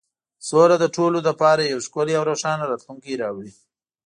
سوله د ټولو لپاره یو ښکلی او روښانه راتلونکی راوړي.